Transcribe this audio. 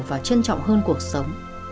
và trân trọng hơn cuộc sống